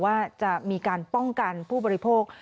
ว่าจะมีการป้องกันผู้บริโภค